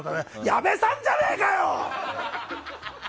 矢部さんじゃねえかよ！